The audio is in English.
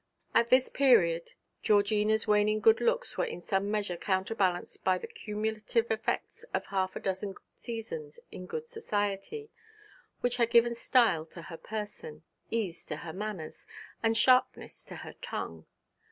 At this period Georgina's waning good looks were in some measure counterbalanced by the cumulative effects of half a dozen seasons in good society, which had given style to her person, ease to her manners, and sharpness to her tongue.